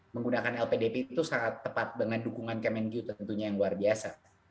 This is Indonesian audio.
menggunakan lpdp itu sangat tepat dengan dukungan kemenkyu tentunya yang luar biasa